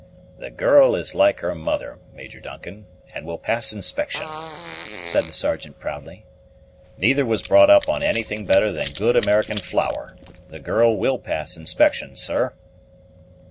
"The girl is like her mother, Major Duncan, and will pass inspection," said the Sergeant proudly. "Neither was brought up on anything better than good American flour. The girl will pass inspection, sir."